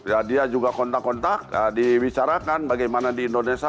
ya dia juga kontak kontak dibicarakan bagaimana di indonesia